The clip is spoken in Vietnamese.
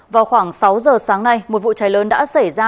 vào khoảng sáu giờ sáng nay một vụ cháy lớn đã xảy ra